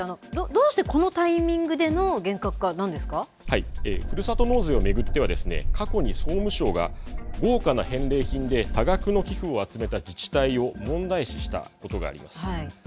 そうするとどうしてこのタイミングでのふるさと納税を巡っては過去に総務省が豪華な返礼品で多額の寄付を集めた自治体を問題視したことがあります。